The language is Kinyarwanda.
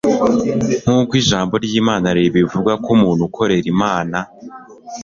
Nkuko ijambo ry'Imana ribivugako umuntu ukorera Imana